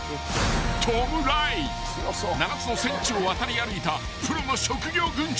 ［７つの戦地を渡り歩いたプロの職業軍人］